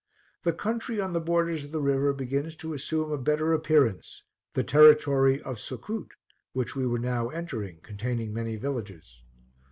The country on the borders of the river begins to assume a better appearance the territory of Succoot, which we were now entering, containing many villages.